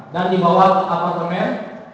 dan dibawa ke apartemen